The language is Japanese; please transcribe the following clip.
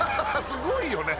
すごいよね